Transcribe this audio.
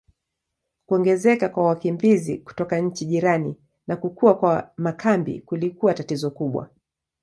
Kuongezeka kwa wakimbizi kutoka nchi jirani na kukua kwa makambi kulikuwa tatizo kubwa.